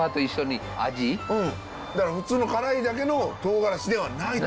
だから普通の辛いだけのトウガラシではないと。